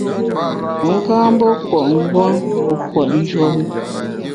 Wu ka mbe kùot nguon wu kùot njuop i.